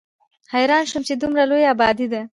حېران شوم چې دومره لويه ابادي ده